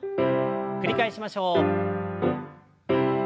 繰り返しましょう。